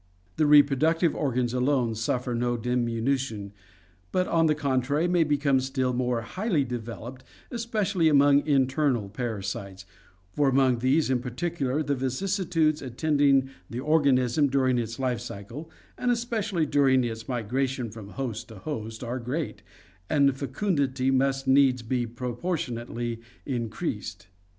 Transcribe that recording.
The reproductive organs alone suffer no diminution, but on the contrary may become still more highly developed, especially among internal parasites, for among these in particular the vicissitudes attending the organism during its life cycle and especially during its migration from host to host are great, and fecundity must needs PARASITISM AND DEGENERACY 267 be proportionately increased.